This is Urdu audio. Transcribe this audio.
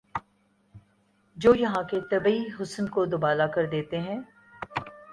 جو یہاں کے طبعی حسن کو دوبالا کر دیتے ہیں